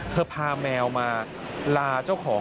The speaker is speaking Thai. พาแมวมาลาเจ้าของ